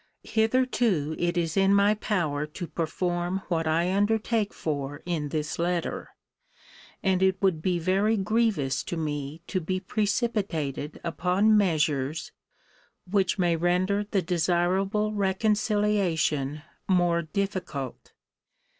Hitherto it is in my power to perform what I undertake for in this letter; and it would be very grievous to me to be precipitated upon measures, which may render the desirable reconciliation more difficult.